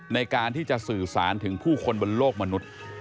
ในการที่จะสื่อสารถึงผู้คนบนโลกมนุษย์